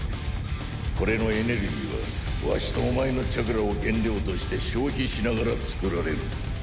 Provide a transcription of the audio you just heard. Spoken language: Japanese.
これのエネルギーはワシとお前のチャクラを原料として消費しながら作られる。